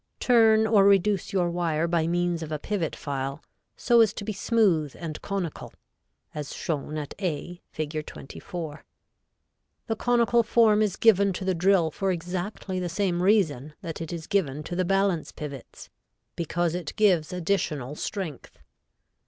Turn or reduce your wire by means of a pivot file so as to be smooth and conical, as shown at A, Fig. 24. The conical form is given to the drill for exactly the same reason that it is given to the balance pivots, because it gives additional strength.